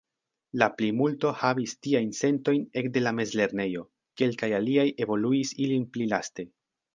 La plimulto havis tiajn sentojn ekde la mezlernejo; kelkaj aliaj evoluis ilin pli laste.